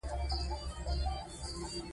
د کارګر او پانګهوال اړیکه هم خیالي ده.